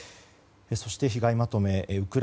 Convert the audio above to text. そして、被害のまとめです。